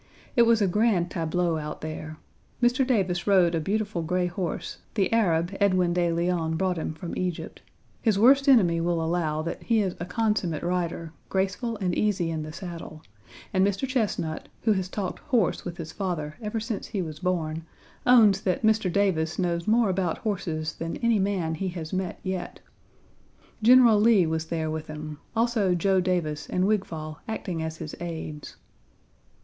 It was a grand tableau out there. Mr. Davis rode a beautiful gray horse, the Arab Edwin de Leon brought him from Egypt. His worst enemy will allow that he is a consummate rider, graceful and easy in the saddle, and Mr. Chesnut, who has talked horse with his father ever since he was born, owns that Mr. Davis knows more about horses than any man he has met yet. General Lee was there with him; also Joe Davis and Wigfall acting as his aides.